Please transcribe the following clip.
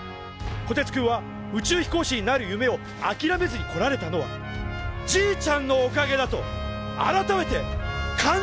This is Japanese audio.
こてつくんは宇宙飛行士になる夢をあきらめずにこられたのはじいちゃんのおかげだと改めて感じたのでした